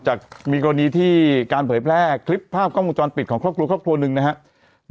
จากมีกรณีที่การเผยแพร่คลิปภาพกล้องวงจรปิดของครอบครัวครอบครัวหนึ่งนะครับ